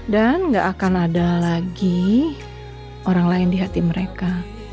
dan gak akan ada lagi orang lain di hati mereka